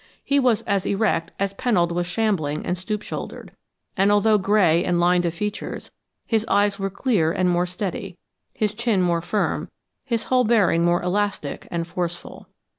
He was as erect as Pennold was shambling and stoop shouldered, and although gray and lined of features, his eyes were clear and more steady, his chin more firm, his whole bearing more elastic and forceful.